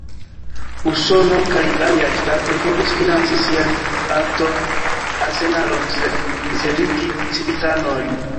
Usono kaj aliaj ŝtatoj povis financi sian atom-arsenalon sen mizerigi civitanojn.